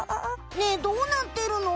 ねえどうなってるの？